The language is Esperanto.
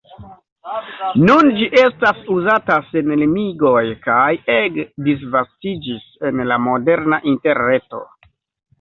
Nun ĝi estas uzata sen limigoj kaj ege disvastiĝis en la moderna Interreto.